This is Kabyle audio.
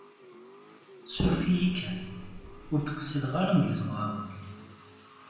Suref-iyi kan, ur d-qsideɣ ara m-gezmeɣ awal.